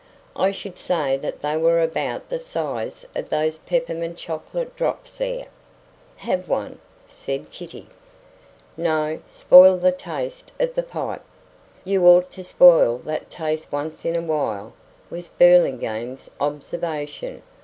I should say that they were about the size of those peppermint chocolate drops there." "Have one?" said Kitty. "No. Spoil the taste of the pipe." "You ought to spoil that taste once in a while," was Burlingame's observation.